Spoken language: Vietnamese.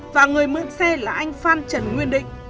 và người mượn xe là anh phan trần nguyên định